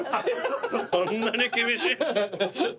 そんなに厳しい？